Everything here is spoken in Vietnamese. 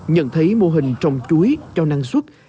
nhận thấy mô hình trồng chuối cho năng suất